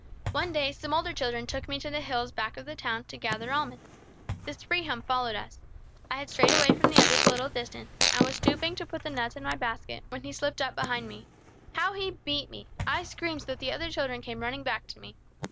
"One day some older children took me to the hills back of the town to gather almonds. This Rehum followed us. I had strayed away from the others a little distance, and was stooping to put the nuts in my basket, when he slipped up behind me. How he beat me! I screamed so that the other children came running back to me.